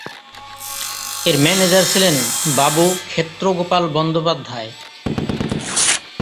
এর ম্যানেজার ছিলেন বাবু ক্ষেত্র গোপাল বন্দ্যোপাধ্যায়।